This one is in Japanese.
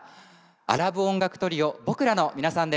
アラブ音楽トリオボクラの皆さんです。